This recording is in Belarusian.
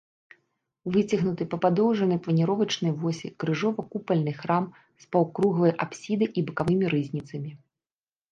Выцягнуты па падоўжанай планіровачнай восі крыжова-купальны храм з паўкруглай апсідай і бакавымі рызніцамі.